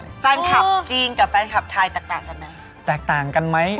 แล้วแฟนคลับจีนกับแฟนคลับไทยแตกต่างกันมั้ย